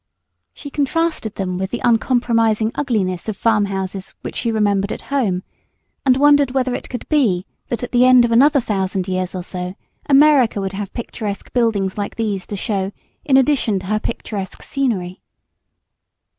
She contrasted them with the uncompromising ugliness of farm houses which she remembered at home, and wondered whether it could be that at the end of another thousand years or so, America would have picturesque buildings like these to show in addition to her picturesque scenery.